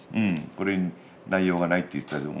これに「内容がない」って言う人たちも。